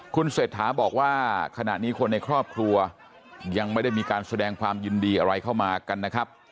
คุณเศรษฐาบอกว่าขณะนี้คนในครอบครัวยังไม่ได้มีการแสดงความยินดีอะไรเข้ามากันนะครับ